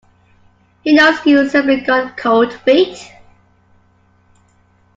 She knows you simply got cold feet.